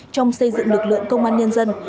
trong xây dựng lực lượng công an nhân dân